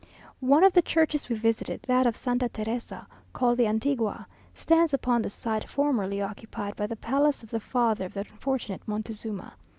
One of the churches we visited, that of Santa Teresa, called the Antigua, stands upon the site formerly occupied by the palace of the father of the unfortunate Montezuma.